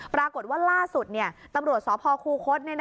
ปรากฏว่าล่าสุดตำรวจสพคูคศ